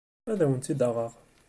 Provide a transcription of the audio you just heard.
Ad awent-tt-id-aɣeɣ.